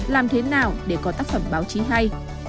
làm thế nào để có tác phẩm báo chí hay